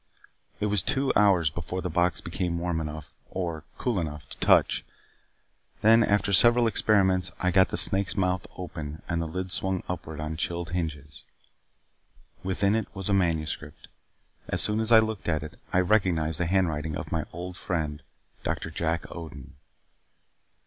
It was two hours before the box became warm enough or cool enough to touch. Then, after several experiments I got the snake's mouth open and the lid swung upward on chilled hinges. Within it was a manuscript. As soon as I looked at it I recognized the handwriting of my old friend, Doctor Jack Odin.